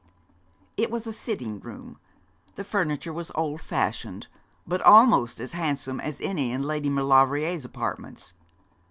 It was a sitting room. The furniture was old fashioned, but almost as handsome as any in Lady Maulevrier's apartments.